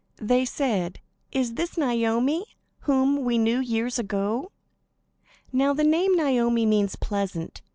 They said: "Is this Naomi, whom we knew years ago?" Now the name Naomi means "pleasant."